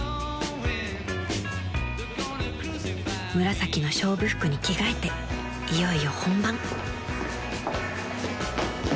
［紫の勝負服に着替えていよいよ本番］